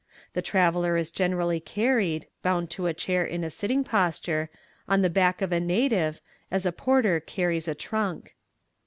The traveller is generally carried, bound to a chair in a sitting posture, on the back of a native, as a porter carries a trunk.